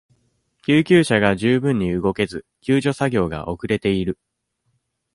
救急車が十分に動けず、救助作業が遅れている。